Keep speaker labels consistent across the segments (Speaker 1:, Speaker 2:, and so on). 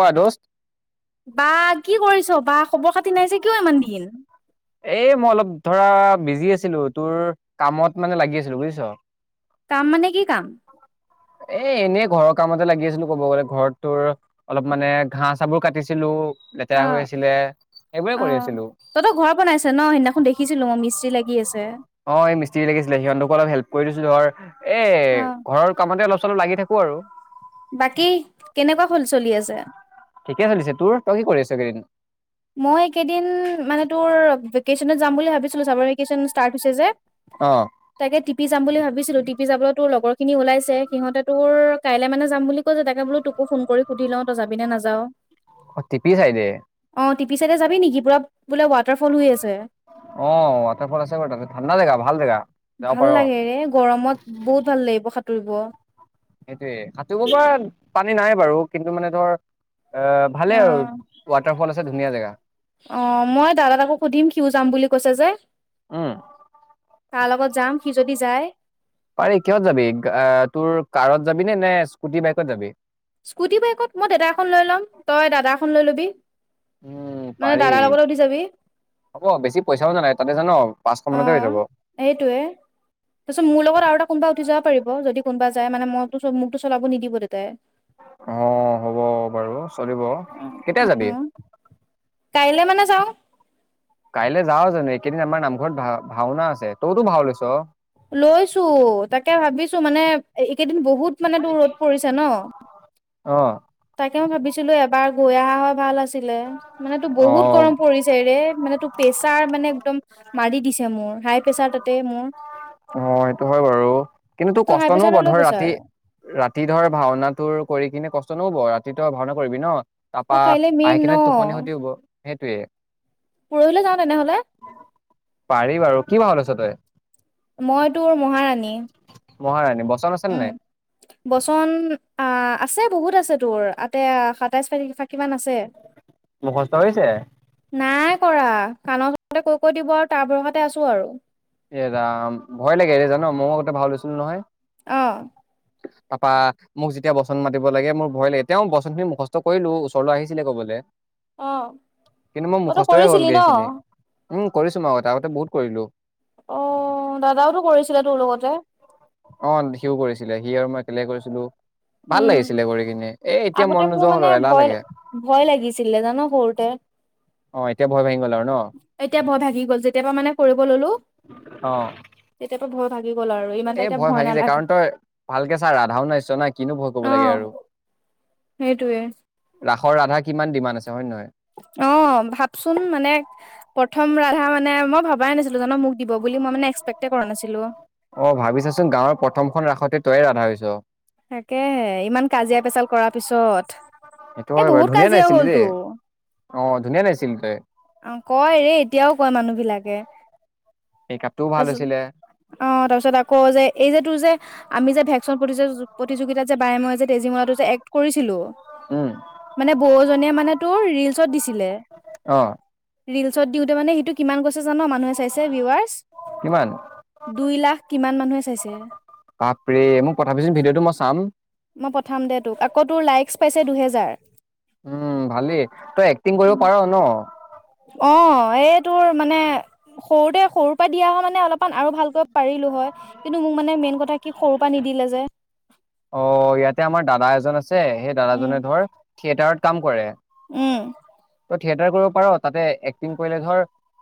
Speaker 1: কোৱা দুষ্ট
Speaker 2: বা কি কৰিছ বা খবৰ খাতি নাইছে কিয় ইমান দিন
Speaker 1: এ মই অলপ ধৰা বিজি আছিলো তোৰ কামত মানে লাগি আছিলো বুজিছ
Speaker 2: কাম মানে কি কাম
Speaker 1: এ এনেই ঘৰৰ কামতে লাগি আছিলো ক'ব গ'লে ঘৰত তোৰ অলপ মানে ঘাঁ চাবোৰ কাটিছিলো।
Speaker 2: অ
Speaker 1: লেতেৰা হৈ আছিলে সেইবোৰে
Speaker 2: অ
Speaker 1: কৰি আছিলো
Speaker 2: তহঁতৰ ঘৰ বনাইছে ন সেইদিনাখন দেখিছিলো মই মিস্ত্ৰী লাগি আছে
Speaker 1: অ মিস্ত্ৰী লাগিছিলে সিহঁতকো অলপ হেল্প কৰি দিছিলো ধৰ এ
Speaker 2: অ
Speaker 1: ঘৰৰ কামতে অলপ চলপ লাগি থাকো। আৰু
Speaker 2: বাকী কেনেকোৱা হ'ল চলি আছে।
Speaker 1: ঠিকে চলিছে তোৰ তই কি কৰি আছ কেইদিন
Speaker 2: ভেকচন যাম বুলি ভাবিছিলো চাবৰ ভেকেশচন ষ্টাৰ্ট হৈছে যে
Speaker 1: অ
Speaker 2: তাকে টিপি যাম বুলি ভাবিছিলো টিপি যাবলৈ তোৰ লগৰখিনি ওলাইছে সিহঁতে তোৰ কাইলৈ মানে যাম বুলি কৈছে তাকে বোলো তোক তোক ফোন কৰি সুধি লওঁ তই যাবি নে নাযাও
Speaker 1: অ তিপি চাই দে
Speaker 2: অ টিপি চাইডে যাবি নেকি? বোলে ৱাটাৰফল হৈ আছে
Speaker 1: অ ৱাটাৰফল আছে ব ঠাণ্ডা জেগা ভাল জেগা যাব
Speaker 2: ভাল
Speaker 1: পাৰ
Speaker 2: লাগে ৰে গৰমত বহুত ভাল লাগিব সাঁতুৰিব
Speaker 1: সেইটোয়ে সাতুৰি পৰা পানী নাই বাৰু কিন্তু মানে ধৰ আহ ভালেই আৰু
Speaker 2: অ',
Speaker 1: ৱাটাৰফল আছে ধুনীয়া জেগা
Speaker 2: অ মই দাদা তাকো সুধিম সিও যাম বুলি কৈছে যে
Speaker 1: উম
Speaker 2: তাৰ লগত যাম সি যদি যায়।
Speaker 1: পাৰি কিহত যাবি আহ তোৰ কাৰত যাবি নে স্কুটি বাইকত যাবি?
Speaker 2: স্কুটি বাইকত মই দাদা এখন লৈ ল'ম তই দাদা এখন লৈ ল'বি
Speaker 1: উম
Speaker 2: মানে
Speaker 1: পাৰি
Speaker 2: দাদাৰ লগত উঠি যাবি
Speaker 1: হ'ব বেছি পইচাও নালাগে তাতে জান পাঁচশ
Speaker 2: অ
Speaker 1: মানতে হৈ যাব
Speaker 2: সেইটোয়ে, তাৰপিছত মোৰ লগত আৰু এটা কোনোবা উঠি যাব পাৰিব যদি কোনোবা যায় মানে মইতো মোকতটো চলাব নিদিব দেউতাই
Speaker 1: আহ হ'ব বাৰু চলিব, কেতিয়া যাবি?
Speaker 2: কাইলৈ মানে যাওঁ।
Speaker 1: কাইলৈ যাও জানো এইকেইদিন আমাৰ নামঘৰত ভা ভাওনা আছে তইতো ভাও লৈছ।
Speaker 2: লৈছো তাকে ভাবিছো মানে এইকেইদিন বহুত মানে দূৰত পৰিছে ন।
Speaker 1: অ
Speaker 2: তাকে মই ভাবিছিলো এবাৰ গৈ অহা হয় ভাল আছিলে। মানে তোৰ
Speaker 1: অ
Speaker 2: বহুত গৰম
Speaker 1: অ
Speaker 2: পৰিছে ৰে মানে তোৰ প্ৰেছাৰ মানে একদম মাৰি দিছে মোৰ হাই প্ৰেছাৰ তাতেই মোৰ
Speaker 1: অ সেইটো হয় বাৰু, কিন্তু
Speaker 2: ত' হাই
Speaker 1: কষ্টনো
Speaker 2: প্ৰেছাৰ নে ল'
Speaker 1: বধৰ
Speaker 2: প্ৰেছাৰ
Speaker 1: ৰাতি ৰাতি ধৰ ভাওনা তোৰ কৰি কিনে কষ্ট নহব ৰাতি ত ভাওনা কৰিবি ন?
Speaker 2: অ
Speaker 1: তাৰপা
Speaker 2: কাইলে
Speaker 1: খাই
Speaker 2: মেইন ন
Speaker 1: কিনে টোপনি খতিও হব সেইটোয়ে
Speaker 2: পৰহিলে যাওঁ তেনেহলে
Speaker 1: পাৰি বাৰু কি ভাউ লৈছ তই!
Speaker 2: মই তোৰ মহাৰাণী।
Speaker 1: মহাৰাণী বচন আছে নে
Speaker 2: উম,
Speaker 1: নাই?
Speaker 2: বচন আহ আছে বহুত আছে তোৰ এতিয়া সাতাইশ তাৰিখ কিমান আছে,
Speaker 1: মুখস্থ হৈছে?
Speaker 2: নাই কৰা কাণৰ ওচৰতে কৈ কৈ দিব আৰু তাৰ ভৰষাতে আছো আৰু।
Speaker 1: এ ৰাম ভয় লাগে এ জান মইও আগতে ভাউ হৈছিলো নহয়।
Speaker 2: অ
Speaker 1: তাপা মোক তেতিয়া বচন মাতি লাগে মোৰ ভয় লাগে, তেওঁ বচনখিনি মুখস্থ কৰিলো ওচৰলৈ আহিছিলে ক'বলে।
Speaker 2: অ
Speaker 1: কিন্তু মই
Speaker 2: অ তই
Speaker 1: মুখস্থই
Speaker 2: কৰিছিলি
Speaker 1: হ'লগৈ
Speaker 2: ন
Speaker 1: এইখিনি। উম কৰিছো মই আগতে আগতে বহুত কৰিলো।
Speaker 2: অ দাদাওটো কৰিছিলে তোৰ লগতে।
Speaker 1: অ সিও কৰিছিলে, সি আৰু মই কেলে কৰিছিলো। ভাল
Speaker 2: উম,,
Speaker 1: লাগিছিলে কৰি কিনে এ এতিয়া মন
Speaker 2: আগতে
Speaker 1: নোযোৱা
Speaker 2: মোৰ
Speaker 1: হ'ল
Speaker 2: মানে
Speaker 1: আৰু এলাহ
Speaker 2: ভয়
Speaker 1: লাগে
Speaker 2: ভয় লাগিছিলে জান সৰুতে।
Speaker 1: অ এতিয়া ভয় ভাঙি গ'ল আৰু ন
Speaker 2: এতিয়া ভয় ভাগি গল, যেতিয় পৰা মানে কৰিব ললো।
Speaker 1: অঁ
Speaker 2: তেতিয়াৰ পৰা ভয় ভাগি গ'ল আৰু ইমানটা
Speaker 1: এ
Speaker 2: এতিয়া
Speaker 1: ভয় ভাগি যায়
Speaker 2: নালাগে
Speaker 1: কাৰণ তই ভালকে চা ৰাধাও নাইছ না কি? ভয় কৰিব
Speaker 2: অ
Speaker 1: লাগে আৰু,
Speaker 2: সেইটোয়ে
Speaker 1: ৰাসৰ ৰাধা কিমান ডিমাণ্ড আছে হয় নে নহয়?
Speaker 2: অ ভাবচোন মানে প্ৰথম ৰাধা মানে মই ভবাই নাছিলো জানো মোক দিব বুলি। বুলি মই মানে এক্সপেকটে কৰা নাছিলোঁ।
Speaker 1: অ ভাবিছাচোন গাঁৱৰ প্ৰথমখন ৰাসতে তয়ে ৰাধা হৈছ।
Speaker 2: তাকে ইমান কাজিয়া পেচাল কৰাৰ পিছত,
Speaker 1: সেইটো হয়
Speaker 2: এ
Speaker 1: বাৰু
Speaker 2: বহুত
Speaker 1: ধুনীয়া
Speaker 2: কাজিয়া
Speaker 1: নাচিলি দেই
Speaker 2: হ'লতো।
Speaker 1: অ ধুনীয়া নাগিছিল তাই
Speaker 2: অ কয় ৰে এতিয়াও কয় মানুহ বিলাকে।
Speaker 1: মেকআপটোও ভাল
Speaker 2: তাৰপিছত,
Speaker 1: হৈছিলে
Speaker 2: অ তাৰপিছত আকৌ যে এই যে তোৰ যে আমি যে ভেকচন প্ৰতিযোগিতাত যে বাই মই যে তেজীমলাটো যে এক্ট কৰিছিলো,,
Speaker 1: উম
Speaker 2: মানে বৌজনীয়ে মানে তোৰ ৰিলচত দিছিলে।
Speaker 1: অ
Speaker 2: ৰিলছত দিওঁতে মানে সেইটো কিমান গৈ ছে জান মানুহে চাইছে ভিৱাৰ্চ,
Speaker 1: কিমান
Speaker 2: দুই লাখ কিমান মানুহে চাইছে।
Speaker 1: বাপ ৰে মোক পথাবিচোন ভিডিঅ'টো মই চাম।
Speaker 2: মই পঠাম দে তোক, আকৌ তোৰ লাইক পাইছে দুহেজাৰ।
Speaker 1: উম ভালেই তই এক্টিং কৰিব পাৰ ন?
Speaker 2: অঁ এই তোৰ মানে সৰুতে সৰুৰ পৰা দিয়া হ মানে অলপমান আৰু ভালকৈ পাৰিলো হয়। কিন্তু মোক মানে মেইন কথা কি সৰুৰ পৰা নিদি - লে যে।
Speaker 1: অ ইয়াতে আমাৰ দাদা এজন আছে, সেই
Speaker 2: উম
Speaker 1: দাদাজনে ধৰ থিয়েটাৰত কাম কৰে।
Speaker 2: উম।
Speaker 1: তই থিয়েটাৰ কৰিব পাৰ তাতে এক্টিং কৰিলে ধৰ,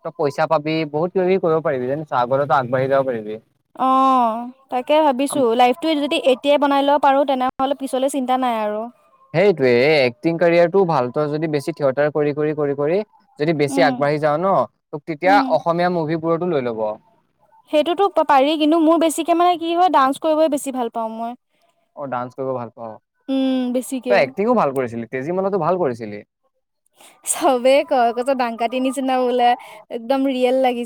Speaker 1: তই পইচা পাবি বহুত কিবি কৰিব পাৰিবি যে চাগৰৰত আগবাঢ়ি যাব পাৰিবি।
Speaker 2: অ তাকে ভাবিছো লাইফটো যদি এতিয়া- বনাই ল'ব পাৰোঁ তেনেহ'লে পিছলৈ চিন্তা নাই আৰু।
Speaker 1: সেইটোৱে এক্টিং কেৰিয়াৰটো ভাল যদি বেছি থিয়েটাৰ কৰি কৰি। যদি বেছি
Speaker 2: উম
Speaker 1: আগবাঢ়ি যাওঁ ন, তোক তেতিয়া
Speaker 2: উম
Speaker 1: অসমীয়া মুভিবোৰতো লৈ লব।
Speaker 2: সেইটোতো পাৰি। কিন্তু মোৰ বেছিকে মানে কি হয় ডান্স কৰিবই বেছি ভাল পাও মই।
Speaker 1: অ ডান্স কৰিব ভাল পাওঁ,
Speaker 2: উম বেছিকে
Speaker 1: তই এক্টিঙো ভাল কৰিছিলি তেজীমলাতো ভাল কৰিছিলি।
Speaker 2: চবেই কৈ কছ দাং কতি নিচিনা বোলে, একদম ৰিয়েল লাগে।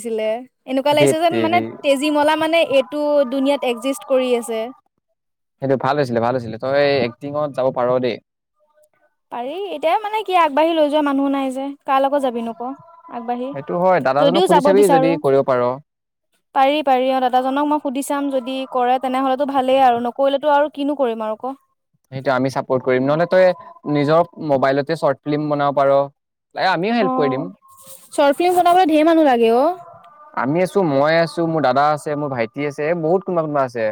Speaker 2: এনেকুৱা লাগি
Speaker 1: ধেত
Speaker 2: যেন মানে
Speaker 1: তেৰি
Speaker 2: তেজীমলা মানে এইটোন কৰি আছে।
Speaker 1: সেইটো ভাল হৈছিলে ভাল আছিলে। তই এক্টিঙত যাব পাৰ দেই।
Speaker 2: পাৰি এতিয় মানে কি আগবাঢ়ি লৈ যোৱা মানুহ নাই যে। কাৰ লগত যাবি নক আগবাঢ়ি,
Speaker 1: সেইটো হয় দাদাজনক
Speaker 2: যদিও
Speaker 1: সুধি
Speaker 2: যাব
Speaker 1: চাবি যদি
Speaker 2: বিচাৰো।
Speaker 1: কৰিব পাৰ
Speaker 2: পাৰি পাৰি অ দাদাজনক মোক সুধি চাম যদি কৰে তেনেহ'লেতো ভালেই আৰু নকৰিলেতো আৰু কিনো কৰিম আৰু কক।
Speaker 1: সেইটো আমি চাপৰ্ট কৰিম। নহলে তই নিজৰ মোবাইলতে চৰ্ট ফিল্ম বনাব পাৰ, লাগে আমিও
Speaker 2: অ
Speaker 1: হেল্প কৰি দিম
Speaker 2: শৰ্ট ফিল্ম বনাবলৈ ঢেৰ মানুহ লাগে অ।
Speaker 1: আমি আছো, মই আছো, মোৰ দাদা আছে, মোৰ ভাইটি আছে, বহুত কোনোবা কোনোবা আছে।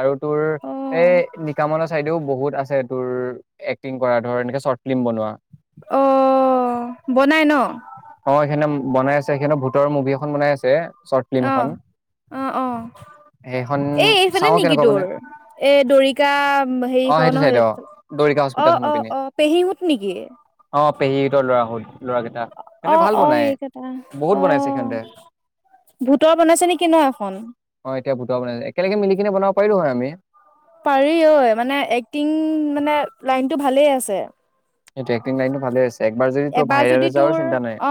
Speaker 1: আৰু তোৰ
Speaker 2: অ
Speaker 1: এই নিকামনৰ চাইদেও বহুত আছে তোৰ এক্টিং কৰা ধৰ এনেকে চৰ্ট ফিল্ম বনোৱা।
Speaker 2: অ বনাই ন?
Speaker 1: অ সেইখনে বনাই আছে সিহঁতে ভুতৰ মুভি এখন বনাই আছে। চৰ্ট ফিল্ম এখন
Speaker 2: অ' অ অহ।
Speaker 1: সেইখন
Speaker 2: এ এইফালে
Speaker 1: চাও
Speaker 2: নেকি
Speaker 1: কেনেকুৱা
Speaker 2: তোৰ?
Speaker 1: বনাই
Speaker 2: এ দৰিকা হেৰি‌
Speaker 1: অ
Speaker 2: খ
Speaker 1: সেইটো চাইড
Speaker 2: নহয়ো
Speaker 1: অ দৰিকা
Speaker 2: অ
Speaker 1: হস্পিতাল খনৰ
Speaker 2: অ
Speaker 1: পিনে
Speaker 2: অ পেহী সুত নেকি?
Speaker 1: অ' পেহীহতৰ ল'ৰা হত লৰাকেইটা,
Speaker 2: অ
Speaker 1: সিহতে ভাল
Speaker 2: অ
Speaker 1: বনাই
Speaker 2: এইকেইটা অ
Speaker 1: বহুত বনাইছে সিহঁতে।
Speaker 2: ভূতৰ বনাইছে নেকি ন এখন
Speaker 1: অ এতিয়া ভুত বনাইছে একেলগে মিলি কেনে বনাব পাৰিলোঁ হয় আমি।
Speaker 2: পাৰি অ এক্টিং মানে লাইনটো ভালেই আছে।
Speaker 1: সেইতো একটিং লাইনটো ভালে আছে। একবাৰ যদি তোৰ
Speaker 2: এবাৰ
Speaker 1: ভাইৰেল
Speaker 2: যদি
Speaker 1: হৈ যাৱাৰ
Speaker 2: তোৰ
Speaker 1: চিন্তা নাই
Speaker 2: অ,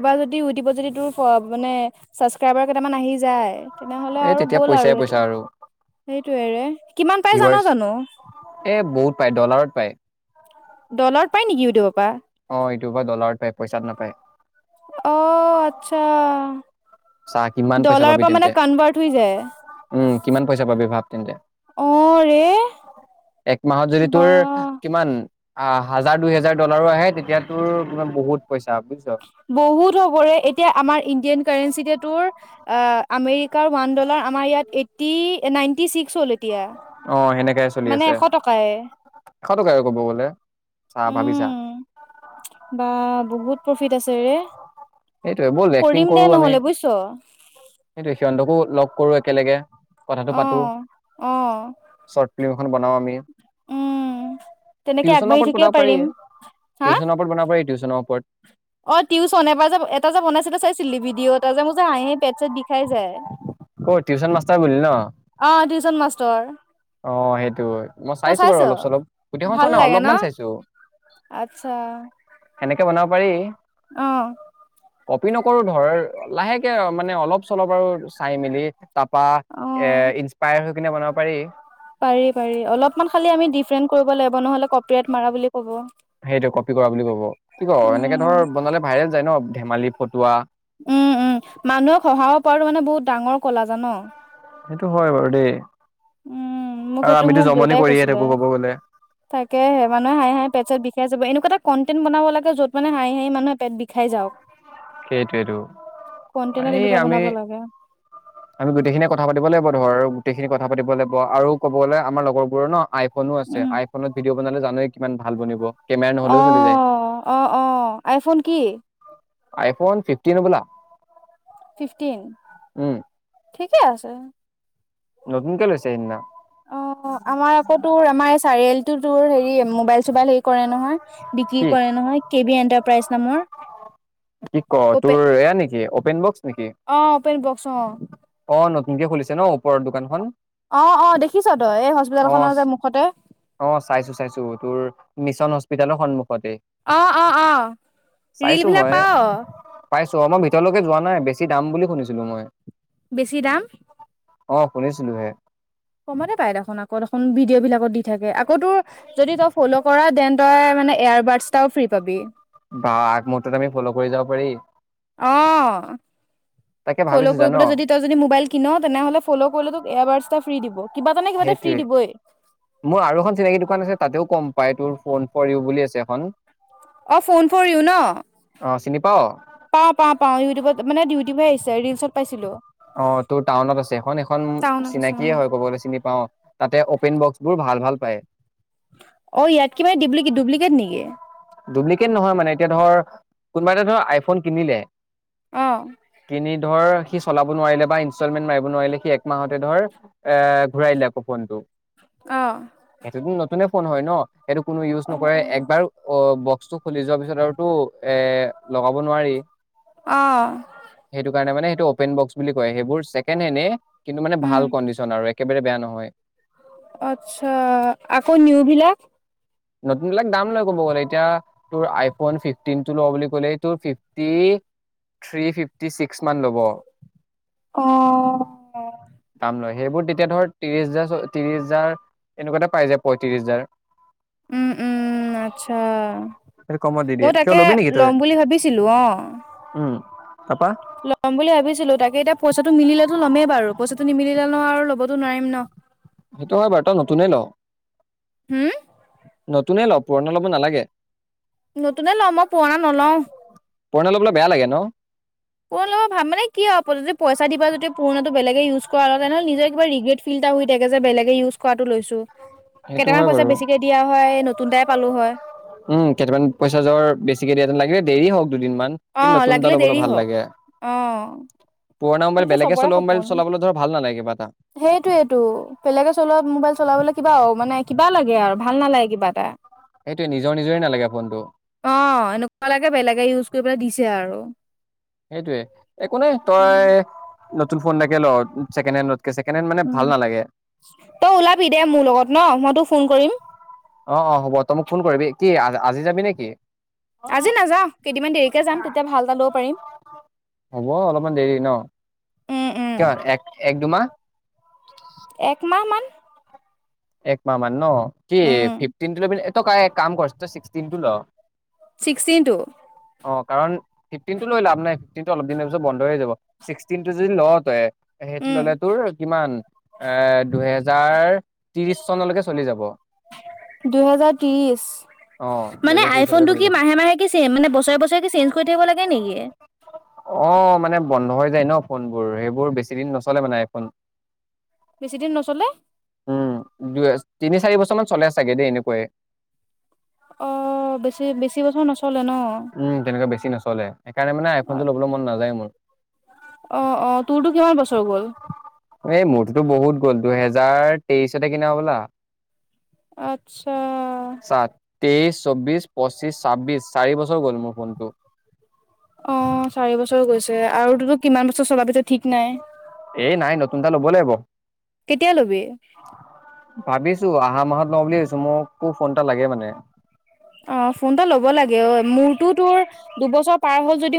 Speaker 2: এবাৰ যদি উইঢিবত যদি তোৰ ফ মানে চাচ ক্ৰাইবাৰ কেইটামান আহি যায়, তেনেহ'লে
Speaker 1: এই
Speaker 2: আৰু
Speaker 1: তেতিয়া
Speaker 2: গ'ল আৰু
Speaker 1: পইচাই পইচা
Speaker 2: সেইটো। সেইটোৱে ৰে কিমান পাই জান
Speaker 1: ভিউৱাৰ্চ
Speaker 2: জানো?
Speaker 1: এ বহুত পায় ডলাৰত পায়।
Speaker 2: ডলাৰত পাই নেকি ইউটিউবৰ পৰা?
Speaker 1: অ এইটোৰ পা ডলাৰত পায় পইচাত নাপায়।
Speaker 2: অ আচ্ছা।
Speaker 1: চা কিমান পইচা
Speaker 2: ডলাৰৰ
Speaker 1: পাবি
Speaker 2: পৰা মানে
Speaker 1: তেন্তে
Speaker 2: কনভাৰ্ট হৈ যায়।
Speaker 1: উম, কিমান পইচা পাবি ভাৱ তেন্তে।
Speaker 2: অ' ৰে
Speaker 1: এক মাহত যদি
Speaker 2: বা
Speaker 1: তোৰ কিমান অ হাজাৰ দুই হাজাৰ ডলাৰো আহে তেতিয়াতো মানে বহুত পইচা। বুজিছ
Speaker 2: বহুত হ'বৰে। এতিয়া আমাৰ ইণ্ডিয়ান কাৰেঞ্চি এতিয়া তোৰ অ আমেৰিকাৰ ওৱান ডলাৰ আমাৰ ইয়াত এইতটি নাইনটি ছিক্স হ'ল এতিয়া।
Speaker 1: অ' সেনেকাই চলি
Speaker 2: মানে
Speaker 1: আছে।
Speaker 2: এশ টকাই
Speaker 1: এশ টকাই আৰু কব গলে। চা ভাবিছা।
Speaker 2: উম বা বহুত প্ৰফিট আছে ৰে।
Speaker 1: সেইটোৱে, বল এক্টিং
Speaker 2: কৰিম দে
Speaker 1: কৰো আমি
Speaker 2: নহ'লে বুজিছ
Speaker 1: সেইটোৱে সিহঁতকো লগ কৰো একেলগে। কথাটো পাতো
Speaker 2: অ' অ'
Speaker 1: চৰ্ট ফিল্ম এখন বনাও আমি।
Speaker 2: উম। তেনেকে
Speaker 1: টিউচনৰ
Speaker 2: আগবাঢ়ি
Speaker 1: ওপৰত
Speaker 2: থাকিব
Speaker 1: বনাব পাৰি,
Speaker 2: পাৰিম হা
Speaker 1: টিউচনৰ ওপৰত বনাব পাৰি টিউচ জনৰ ওপৰত
Speaker 2: অ টিউচন এবাৰ যে এটা যে বনাইছিলে চাইছিলি ভিডিঅ' এটা যে মোৰ যে হাঁহি হাঁহি পেত ছেত বিষাই যায়,
Speaker 1: অ টিউচন মাষ্টাৰ বুলি ন
Speaker 2: অ'' টিউচন মাষ্টৰ।
Speaker 1: অ' সেইটো হয়। মই
Speaker 2: তই
Speaker 1: চাইছো
Speaker 2: চাইছ
Speaker 1: বাৰু অলপ চলপ। গোটেইখন
Speaker 2: ভাল
Speaker 1: চোৱা নাই
Speaker 2: লাগে ন
Speaker 1: অলপমান চাইছো।
Speaker 2: আচ্ছা
Speaker 1: সেনেকে বনাব পাৰি।
Speaker 2: অহ।
Speaker 1: কপি নকৰো ধৰ লাহেকে মানে অলপ চলপ আৰু চাই মেলি তা পা এ
Speaker 2: অ',
Speaker 1: ইনস্পায়াৰ হৈ কিনে বনাব পাৰি।
Speaker 2: পাৰি পাৰি অলপমান খালি আমি ডিফাৰেণ্ট কৰিব লাগিব নহ'লে কপিৰাইট মাৰা বুলি ক'ব।
Speaker 1: সেইটো কপি কৰা বুলি কব, কি ক এনেকে
Speaker 2: উম,
Speaker 1: ধৰ বনালে ভাইৰেল যায় ন ধেমালি ফটুৱা
Speaker 2: উম উম, মানুহক হঁহাব পৰাটো মানে বহুত ডাঙৰ কলা জান?
Speaker 1: সেইটো হয় বাৰু দেই।
Speaker 2: উম, মোক
Speaker 1: আৰু
Speaker 2: সেইটো
Speaker 1: আমিতো
Speaker 2: মোক
Speaker 1: জমনি
Speaker 2: দেউতাই
Speaker 1: কৰিয়ে
Speaker 2: কৈছিলে।
Speaker 1: থাকো ক'ব গ'লে
Speaker 2: তাকেহে মানুহে হাঁহি হাঁহি পেত চেত বিষ খাই যাব একুৱা এটা কণ্টেট বনাব লাগ যত মানে হাঁহি হাঁহি মানুহে পেত বিষাই যাওক।
Speaker 1: সেইটোৱেটো।
Speaker 2: কন্টেন্টত
Speaker 1: আৰে
Speaker 2: এনেকুৱা
Speaker 1: আমি
Speaker 2: বনাব লাগে
Speaker 1: আমি গোটেইখিনিয়ে কথা পাতিব লাগিব ধৰ আৰু গোটেইখিনি কথ কথা পাতি লাগিব আৰু ক'ব গলে আমাৰ লগৰবোৰৰ ন আই ফোনো আছে
Speaker 2: উম,
Speaker 1: আইফোনত ভিডিঅ' বনালে জানোৱেই কিমান ভাল বনিব কেমেৰা নহলেও চলি যায়।
Speaker 2: অ', অ', অ', আইফোন কি?
Speaker 1: আইফোন ফিফটিন হবলা?
Speaker 2: ফিফটিন?
Speaker 1: উম
Speaker 2: ঠিকে আছে৷
Speaker 1: নতুন কে লৈছে সেইদিনা৷
Speaker 2: অ আমাৰ আকৌ তোৰ আমাৰ এই চাৰিআলিটো তোৰ হেৰি মোবাইল চোবাইল হেৰি কৰে নহয় বিক্ৰী
Speaker 1: কি
Speaker 2: কৰে নহয় কে বি এন্টাৰপ্ৰাইজ নামৰ
Speaker 1: কি ক
Speaker 2: অপেন
Speaker 1: তোৰ এয়া নেকি অপেন বক্স নেকি
Speaker 2: অ অপেন বক্স অ
Speaker 1: অ নতু এনকে খুলিছে ন ওপৰৰ দোকানখন?
Speaker 2: অ-অ দেখিছ তই এই হস্পিতেল
Speaker 1: অ
Speaker 2: খনৰ যে মুখতে?
Speaker 1: অ চাইছো-চাইছো তোৰ মিছন হস্পিতেলৰ সন্মুখ
Speaker 2: অ-অ-অ
Speaker 1: চাইছো
Speaker 2: ৰীল
Speaker 1: মই
Speaker 2: বিলাক পাৱ?
Speaker 1: পাইছো মই ভিতৰলৈকে যোৱা নাই বেছি দাম বুলি শুনিছিলো মই৷
Speaker 2: বেছি দাম
Speaker 1: অ শুনিছিলো হে৷
Speaker 2: কমতে পাই দেখোন আকৌ দেখোন ভিডিঅ' বিলাকত দি থাকে আকৌ তোৰ যদি ত ফল পৰা দেন তই মানে এয়াৰবডছটাও ফ্ৰী পাবি৷
Speaker 1: বা আগম্তত [unintelligible] আমি ফল' কৰি যাব পাৰি৷
Speaker 2: অ
Speaker 1: তাকে
Speaker 2: ফল'
Speaker 1: ভাবিছো জান
Speaker 2: কৰিবলৈ যদি তই যদি মোবাইল কিন তেনেহ'লে ফল' কৰিলে তোক এয়াৰবাৰ্ছ এটা ফ্ৰী দিব৷ কিবা এটা নে কিবা এটা ফ্ৰী দিবই
Speaker 1: সেইটোৱে মোৰ আৰু এখন চিনাকি দোকান আছে তাতেও কম পাই তোৰ ফোন ফৰ ইউ বুলি আছে এখন৷
Speaker 2: অঁ ফোন ফৰ ইউ ন?
Speaker 1: অঁ চিনি পাৱ?
Speaker 2: পাওঁ-পাওঁ-পাওঁ ইউটিউবত মানে ইউটিউবহে আহিছে ৰিলচত পাইছিলো৷
Speaker 1: অ তোৰ টাউনত আছে এখন-এখন
Speaker 2: টাউনত আছে
Speaker 1: চিনাকীয়ে
Speaker 2: অ'।
Speaker 1: হয় কব চিনি পাওঁ তাতে অপেন বক্স বোৰ ভাল-ভাল
Speaker 2: অ ইয়াত কিবা ডপ্লিকেট ডুপ্লিকেট নেকি?
Speaker 1: ডুপ্লিকেট নহয় মানে এতিয়া ধৰ কোনোবা এটা ধৰ আইফোন কিনিলে
Speaker 2: অ
Speaker 1: ধৰ সি চলাব নোৱাৰিলে বা ইনষ্টলমেন্ট মাৰিব নোৱাৰিলে সি একমাহতে ধৰ এ ঘূৰাই দে আকৌ ফোনটো
Speaker 2: অ'।
Speaker 1: এইটোতো নতুনে ফোন হয় ন এইটো কোনো ইউজ
Speaker 2: অ',
Speaker 1: নকৰে
Speaker 2: অ'।
Speaker 1: একবাৰ অ বক্সটো খুলি যোৱা পিছত আৰু টো এ লগাব নোৱাৰি
Speaker 2: অ',
Speaker 1: সেইটো কাৰণে মানে অপেন বক্স বুলি কয় সেইবোৰ চেকেণ্ড হেণ্ড কিন্তু মানে ভাল
Speaker 2: উম।
Speaker 1: কণ্ডিচন আৰু একেবাৰে বেয়া নহয়।
Speaker 2: আচ্ছা আকৌ নিউ বিলাক।
Speaker 1: নতুন বিলাক দাম লয় ক'ব গ'লে এতিয়া তোৰ আইফোন ফিফটিন টো লওঁ বুলি কলে তোৰ ফিফটি। থ ফিফটি ছিক্স মান ল'ব ল।
Speaker 2: অ'।
Speaker 1: সেইবোৰ তেতিয়া ধৰ ত্ৰিশ হাজাৰ চ ত্ৰিশ হাজাৰ এনেকুৱাটা পাই যায় পয়ত্ৰিশ হাজাৰ৷
Speaker 2: উম-উম উম আচ্ছা
Speaker 1: সেইটো কমত দি
Speaker 2: মই
Speaker 1: দিয়ে কিয়
Speaker 2: তাকে
Speaker 1: ল'বি নেকি তই
Speaker 2: লম বুলি ভাবিছিলো অ
Speaker 1: তাপা?
Speaker 2: ল'ম বুলি ভাবিছিলো তাকে এতিয়া পইচাটো মিলেতো ল'মেই বাৰু পইচাটো নিমিলে ন আৰু ল'বতো নোৱাৰিম ন।
Speaker 1: সেইটো হয় বাৰ নতুনে ল
Speaker 2: হুম,
Speaker 1: নতুনে ল৷ পুৰণা ল'ব নালাগে৷
Speaker 2: নতুনে লম মই পুৰণা নলওঁ৷
Speaker 1: পুৰণা লবলে বেয়া লাগে ন।
Speaker 2: কোন লগৰ ভাব মানে কি আৰু আপ যদি পইচা দিবা যদি পুৰণ বেলেগে ইউজ কৰাৰ লগত তেনেহলে নিজৰ কিবা ৰি্ৰে ফিল এটা হৈ থাকে যে বেলেগ ইউজ কৰাটো লৈছো৷
Speaker 1: সেইটো
Speaker 2: কেইটামান
Speaker 1: হয়
Speaker 2: পইচা
Speaker 1: বাৰু
Speaker 2: বেছিকে দিয়া হয় নতুন এটাই পালো হয়৷
Speaker 1: উম কেইটামান পইচা য বেছিকে দিয়ে লাগিলে দেৰি হওক দুদিনমান কিন্তু
Speaker 2: অ'
Speaker 1: নতুন এটা
Speaker 2: লাগিলে
Speaker 1: লবলৈ
Speaker 2: দেৰি
Speaker 1: ভাল
Speaker 2: হওক
Speaker 1: লাগে।
Speaker 2: অ'
Speaker 1: পুৰণা মোবাইল বেলেগে চলোৱা মোবাইল চলাবলৈ ধৰ ভাল নালাগে কিবা এটা
Speaker 2: সেইটোয়েটো বেলেগে চলোৱা মোবাইল চলাবলে কিবা মানে কিবা লাগে আৰু! ভাল নালাগে কিবা এটা৷
Speaker 1: সেইটোৱে নিজৰ নিজৰে নালাগে ফোনটো
Speaker 2: অ এনেকুৱা লাগে বেলেগে ইউজ কৰি পেলাই দিছে আৰু
Speaker 1: সেইটোয়ে একো নাই তই নতুন ফোন এটাকে ল ছেকেণ্ড হেড নন।
Speaker 2: উম তই ওলাবি দে মোৰ লগত ন মইতো ফোন কৰিম।
Speaker 1: অ অ হ'ব তই মোক ফোন কৰিবি কি আজি যাবি নেকি?
Speaker 2: আজি নাযাও কেইদিন মান দেৰিকে যাম তেতিয়া ভাল এটা ল'ব পাৰিম।
Speaker 1: হ'ব অলপমান দেৰি ন
Speaker 2: উম, উম
Speaker 1: কিয় এক এক দুমাহ অ
Speaker 2: এক মাহ মান
Speaker 1: এক মাহ মান ন কি
Speaker 2: উম।
Speaker 1: ফিফটিনটো লবি। কাম কৰ ছিক্সটিন টো ল
Speaker 2: ছিক্সটিনটো
Speaker 1: অ কাৰণ ফিফটিন টো লৈ লাভ নাই ফিফটিনটো অলপ দিনৰ পিছত বন্ধ হৈ যাব ছিক্সটিন টো যদি লও তই। সেইটো
Speaker 2: উম।
Speaker 1: ললে তোৰ কিমান এ দুহেজাৰ ত্ৰিশ চনলৈকে চলি যাব।
Speaker 2: দুহেজাৰ ত্ৰিশ।
Speaker 1: অ
Speaker 2: মানে
Speaker 1: দুহেজাৰ
Speaker 2: আইফোন
Speaker 1: ত্ৰিশলৈকে
Speaker 2: টো
Speaker 1: চলি
Speaker 2: কি
Speaker 1: যাব
Speaker 2: মাহে মাহে কি চে মানে বছৰে বছৰে কি চেঞ্জ কৰি থাকিব লাগে নেকি?
Speaker 1: অ মানে বন্ধ হৈ যায় ন ফোনবোৰ সেইবোৰ বেছি দিন নচলে মানে আইফোন
Speaker 2: বেছিদিন নচলে।
Speaker 1: উম দুই তিনি চাৰি বছৰমানান চলে চাগে দেই এনেকুৱাইে
Speaker 2: অ বেছি বেছি বছৰ নচলে। ন।
Speaker 1: উম তেনেকুৱা বেছি নচলে সেই কাৰণে মানে আইফোনটো ল'বলৈ মন নাযায় মোৰ
Speaker 2: অ অ তোৰতো কিমান বছৰ গ'ল।
Speaker 1: এই মোৰতো বহুত গ'ল দুহেজাৰ তেইশতে কিনা ব'লা
Speaker 2: আচ্ছা
Speaker 1: চা তেইশ চৌবিশ পঁচিশ ছাব্বিশ চাৰি বছৰ গ'ল মোৰ ফোনটো
Speaker 2: অ চাৰি বছৰ গৈছে আৰু ততো কিমান বছৰ চলা পিছ ঠিক নাই।
Speaker 1: ফোন এটা ল'ব লাগিব।
Speaker 2: কেতিয়া ল'বি?
Speaker 1: ভাবিছো অহা মাহত লওঁ বুলি ভাবিছো, মোকো ফোন এটা লাগে মানে।
Speaker 2: অ ফোন এটা ল'ব লাগে অ মোৰটো তোৰ দুবছৰ পাৰ হল যদিও